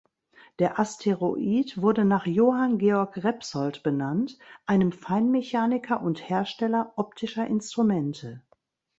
Der Asteroid wurde nach Johann Georg Repsold benannt, einem Feinmechaniker und Hersteller optischer Instrumente.